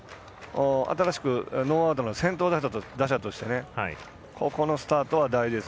新しくノーアウトの先頭打者としてここのスタートは大事です。